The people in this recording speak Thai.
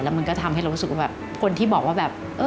แล้วมันก็ทำให้เรารู้สึกว่าแบบ